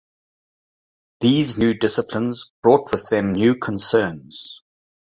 These new disciplines brought with them new concerns.